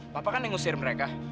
bapak kan yang ngusir mereka